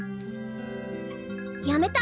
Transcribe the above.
やめた。